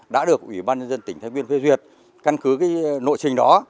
đã được ủy ban dân tỉnh thái nguyên phê duyệt căn cứ cái nội trình đó